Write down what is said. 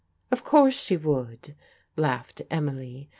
" Of course she would," laughed Emily.